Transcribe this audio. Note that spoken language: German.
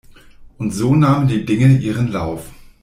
Und so nahmen die Dinge ihren Lauf.